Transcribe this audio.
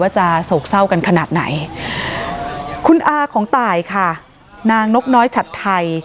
จะโศกเศร้ากันขนาดไหนคุณอาของตายค่ะนางนกน้อยฉัดไทย